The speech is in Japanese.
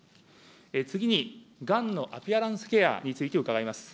次に、がんのアピアランスケアについて伺います。